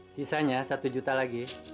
sisanya satu juta lagi